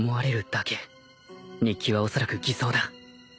日記はおそらく偽装だ